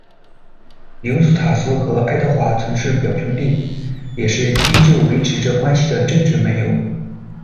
尤斯塔斯和爱德华曾是表兄弟，也是依旧维持着关系的政治盟友。